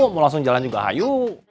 mau langsung jalan juga hayu